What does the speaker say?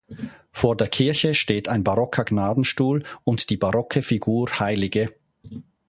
Vor der Kirche steht ein barocker Gnadenstuhl und die barocke Figur hl.